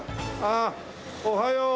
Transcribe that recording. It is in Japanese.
あっおはよう。